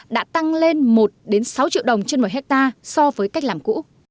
đã tăng lên một sáu triệu đồng trên một hectare so với cách làm cũ